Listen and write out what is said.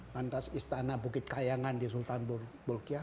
lantas istana bukit kayangan di sultan bulkiah